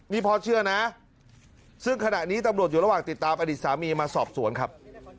นี่พ่อเชื่อนะซึ่งขณะนี้ตำรวจอยู่ระหว่างติดตามอดีตสามีมาสอบสวนครับ